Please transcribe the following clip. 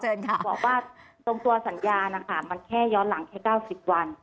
บอกว่าตรงตัวสัญญานะคะมันแค่ย้อนหลังแค่๙๐วัน